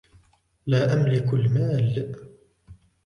لا أملك المال.